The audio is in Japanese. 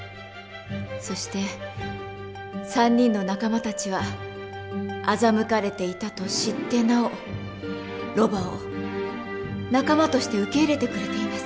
そして３人の仲間たちは欺かれていたと知ってなおロバを仲間として受け入れてくれています。